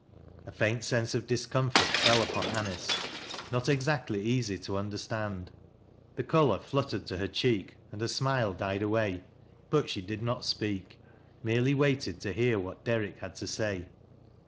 A faint sense of discomfort fell upon Anice — not exactly easy to understand. The color fluttered to her cheek and her smile died away. But she did not speak, —merely waited to hear what Derrick had to say.